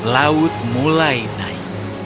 laut mulai naik